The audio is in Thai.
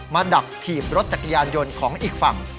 ดักถีบรถจักรยานยนต์ของอีกฝั่ง